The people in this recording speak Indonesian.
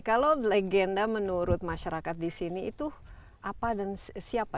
kalau legenda menurut masyarakat di sini itu apa dan siapa